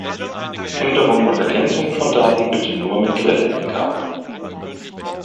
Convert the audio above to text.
Änderungen und Ergänzungen von Daten bitte nur mit Quellenangabe!